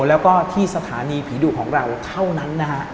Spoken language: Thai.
แล้วก็ที่สถานีผีดุของเราเท่านั้นนะฮะ